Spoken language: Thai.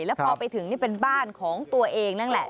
แล้วพอไปถึงนี่เป็นบ้านของตัวเองนั่นแหละ